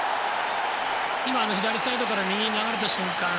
左サイドから右に流れた瞬間